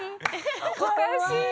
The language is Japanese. おかしい。